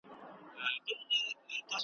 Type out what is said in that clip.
جهاني څنګه پردی سوم د بابا له هدیرې مي .